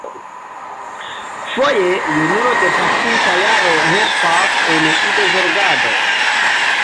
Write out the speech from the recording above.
Foje junulo de pasinta jaro helpas en idozorgado.